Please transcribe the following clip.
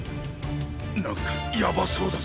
なんかヤバそうだぞ。